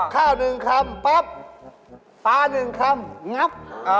ข้าวหนึ่งคำปั๊บป้าหนึ่งคำงับ